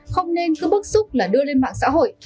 không nên cứ bức xúc là đưa lên mạng xã hội